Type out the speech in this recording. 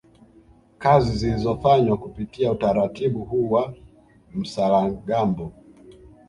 Kazi zilizofanywa kupitia utaratibu huu wa msaragambo